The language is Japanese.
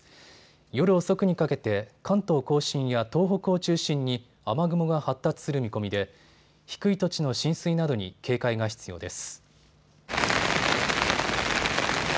夜遅くにかけて関東甲信や東北を中心に雨雲が発達する見込みで低い土地の浸水などに警戒が必要です。